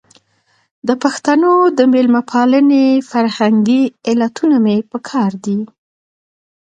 د پښتنو د مېلمه پالنې فرهنګي علتونه مې په کار دي.